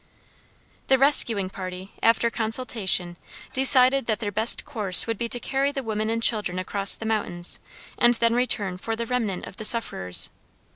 The rescuing party, after consultation, decided that their best course would be to carry the women and children across the mountains, and then return for the remnant of the sufferers.